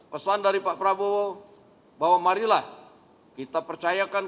pesan dari pak prabowo bahwa marilah kita percayakan